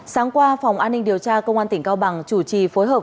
sáng qua phòng an ninh điều tra công an tỉnh cao bằng chủ trì phối hợp